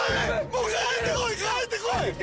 もう帰ってこい帰ってこい！